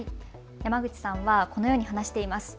山口さんはこのように話しています。